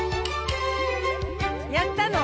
やったの？